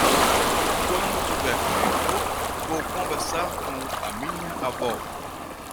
Quando tiver tempo, vou conversar com a minha avó.